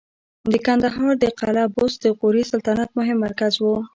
د کندهار د قلعه بست د غوري سلطنت مهم مرکز و